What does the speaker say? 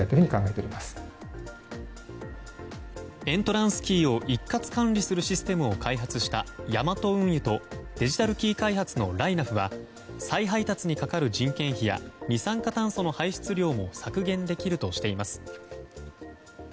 エントランスキーを一括管理するシステムを開発したヤマト運輸とデジタルキー開発のライナフは再配達にかかる人件費や二酸化炭素の排出量も削減できるとしています。